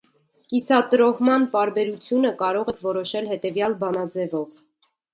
Կիսատրոհման պարբերությունը կարող ենք որոշել հետևյալ բանաձևով։